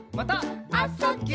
「あ・そ・ぎゅ」